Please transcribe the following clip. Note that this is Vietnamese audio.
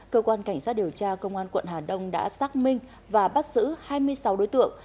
cơ quan cảnh sát điều tra công an quận hà đông đã xác minh và bắt giữ hai mươi sáu đối tượng